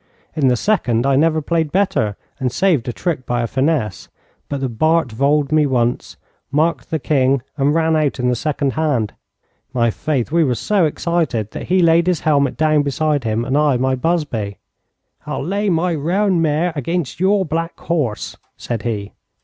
In the second, I never played better and saved a trick by a finesse, but the Bart voled me once, marked the king, and ran out in the second hand. My faith, we were so excited that he laid his helmet down beside him and I my busby. 'I'll lay my roan mare against your black horse,' said he.